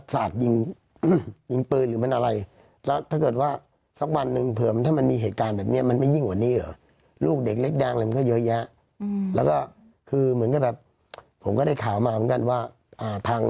เสียงเสียงเสียงเสียงเสียงเสียงเสียงเสียงเสียงเสียงเสียงเสียงเสียงเสียงเสียงเสียงเสียงเสียงเสียง